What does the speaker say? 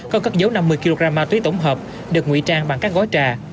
có cất dấu năm mươi kg ma túy tổng hợp được nguy trang bằng các gói trà